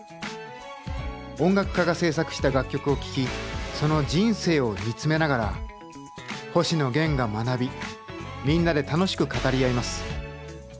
音楽家が制作した楽曲を聴きその人生を見つめながら星野源が学びみんなで楽しく語り合います。